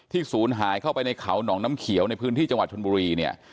ศูนย์หายเข้าไปในเขาหนองน้ำเขียวในพื้นที่จังหวัดชนบุรีเนี่ย